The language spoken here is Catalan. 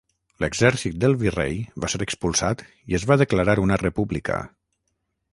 L'exèrcit del virrei va ser expulsat i es va declarar una república.